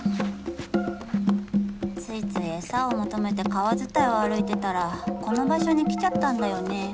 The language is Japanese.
ついつい餌を求めて川伝いを歩いてたらこの場所に来ちゃったんだよね。